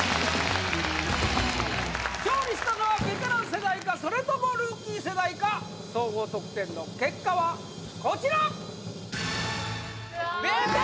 勝利したのはベテラン世代かそれともルーキー世代か総合得点の結果はこちら！